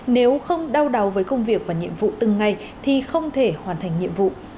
nếu không đau đáu với công việc và nhiệm vụ từng ngày thì không thể hoàn thành nhiệm vụ